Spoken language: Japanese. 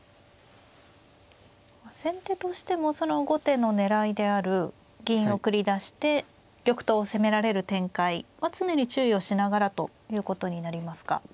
先手としてもその後手の狙いである銀を繰り出して玉頭を攻められる展開は常に注意をしながらということになりますか。